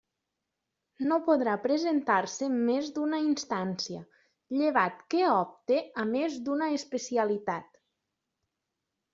No podrà presentar-se més d'una instància, llevat que opte a més d'una especialitat.